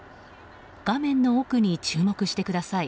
画面の奥に注目してください。